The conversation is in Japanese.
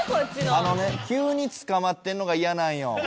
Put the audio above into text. あのね急に捕まってるのが嫌なんよ。